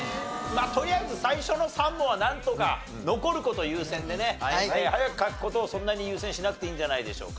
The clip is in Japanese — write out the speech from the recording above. とりあえず最初の３問はなんとか残る事を優先でね早く書く事をそんなに優先しなくていいんじゃないでしょうか。